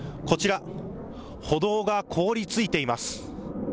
こちら、歩道が凍りついています。